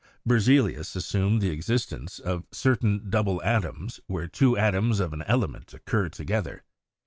Ber zelius assumed the existence of certain double atoms (where two atoms of an element occur together).